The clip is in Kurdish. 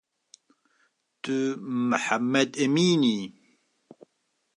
Tu Mihemmed Emîn î